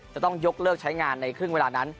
จะต้องยกเลิกใช้งานในครึ่งเวลานั้น